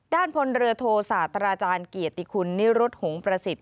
ด้านพนธ์เรือโทษาตราจารย์เกียรติคุณิรุฑหงพระศิษย์